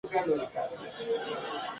Es el cuarto juego de la serie "Killzone".